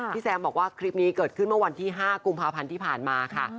แซมบอกว่าคลิปนี้เกิดขึ้นเมื่อวันที่๕กุมภาพันธ์ที่ผ่านมาค่ะ